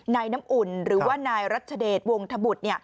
น้ำอุ่นหรือว่านายรัชเดชวงธบุตร